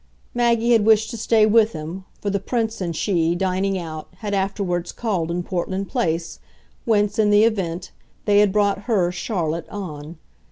Maggie had wished to stay with him for the Prince and she, dining out, had afterwards called in Portland Place, whence, in the event, they had brought her, Charlotte, on.